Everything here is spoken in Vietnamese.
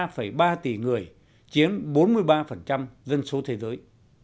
với một ba tỷ người chiếm bốn mươi ba dân số thế giới